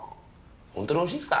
本当においしいんすか？